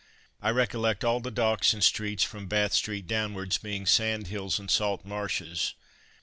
I recollect all the docks and streets from Bath street downwards being sand hills and salt marshes.